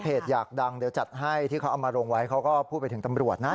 อยากดังเดี๋ยวจัดให้ที่เขาเอามาลงไว้เขาก็พูดไปถึงตำรวจนะ